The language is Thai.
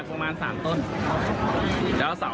จึงไม่ได้เอดในแม่น้ำ